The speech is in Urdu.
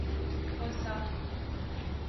ہؤسا